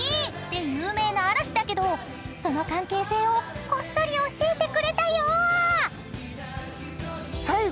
で有名な嵐だけどその関係性をこっそり教えてくれたよ！］